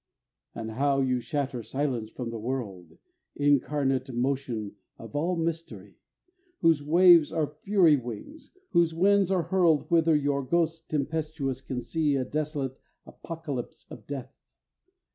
And how you shatter silence from the world, Incarnate Motion of all mystery! Whose waves are fury wings, whose winds are hurled Whither your Ghost tempestuous can see A desolate apocalypse of death.